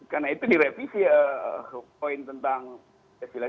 karena itu direvisi poin tentang pancasila